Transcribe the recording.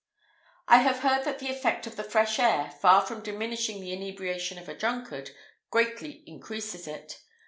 I have heard that the effect of the fresh air, far from diminishing the inebriation of a drunkard, greatly increases it.